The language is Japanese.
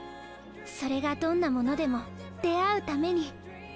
それがどんなものでも出会うために。